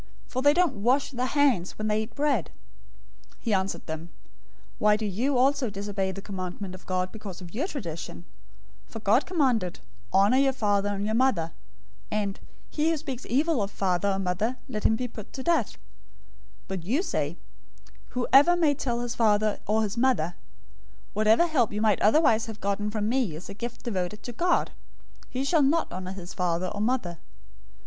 For they don't wash their hands when they eat bread." 015:003 He answered them, "Why do you also disobey the commandment of God because of your tradition? 015:004 For God commanded, 'Honor your father and your mother,'{Exodus 20:12; Deuteronomy 5:16} and, 'He who speaks evil of father or mother, let him be put to death.'{Exodus 21:17; Leviticus 20:9} 015:005 But you say, 'Whoever may tell his father or his mother, "Whatever help you might otherwise have gotten from me is a gift devoted to God," 015:006 he shall not honor his father or mother.'